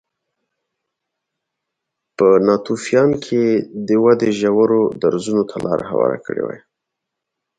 په ناتوفیان کې دې ودې ژورو درزونو ته لار هواره کړې وای